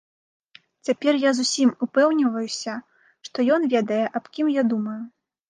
Цяпер я зусім упэўніваюся, што ён ведае, аб кім я думаю.